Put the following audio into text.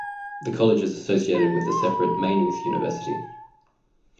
The college is associated with the separate Maynooth University.